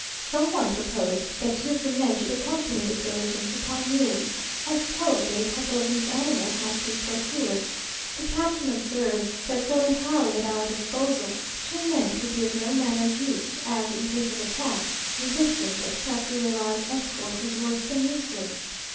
Some one proposed that two of the men should accompany the diligence upon mules, as probably a couple of these animals might be procured. The captain observed, that though entirely at our disposal, two men could be of no manner of use, as, in case of attack, resistance, except with a large escort, was worse than useless.